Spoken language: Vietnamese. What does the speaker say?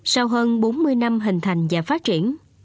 sau hơn bốn mươi năm hình thành và phát triển